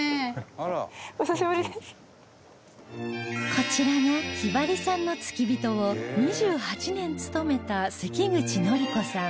こちらがひばりさんの付き人を２８年務めた関口範子さん